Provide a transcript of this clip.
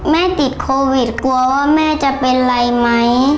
แม่ติดโควิดกลัวว่าแม่จะเป็นไรไหม